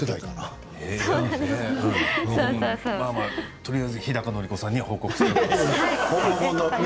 とりあえず日高のり子さんには報告しておきます。